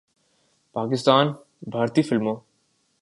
پاکستان، بھارتی فلموں